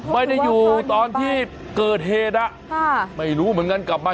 ไม่ได้อยู่ตอนที่เกิดเหตุไม่รู้เหมือนกันกลับมา